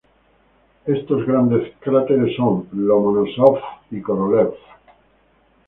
Estos grandes cráteres son Lomonosov y Korolev.